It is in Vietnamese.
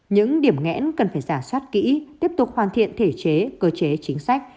những điểm ngẽn cần phải giả soát kỹ tiếp tục hoàn thiện thể chế cơ chế chính sách